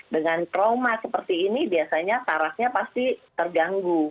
dengan trauma seperti ini biasanya sarafnya pasti terganggu